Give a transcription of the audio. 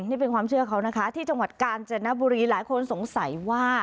นี่เป็นความเชื่อเขานะคะที่จังหวัดกาญจนบุรีหลายคนสงสัยว่า